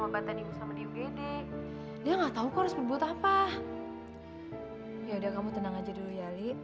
obatan ibu sama di ugd dia nggak tahu kau harus berbuat apa ya udah kamu tenang aja dulu ya li